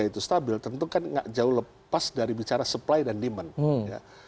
harga itu stabil tentu kan jauh lepas dari bicara supply dan demand